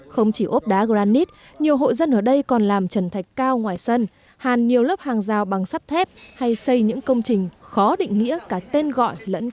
không chỉ ốp đá granite nhiều hộ dân ở đây còn làm trần thạch cao ngoài sân hàn nhiều lớp hàng rào bằng sắt thép hay xây những công trình khó định nghĩa cả tên gọi lẫn